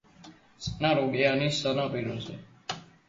წყნარი ოკეანის სანაპიროზე.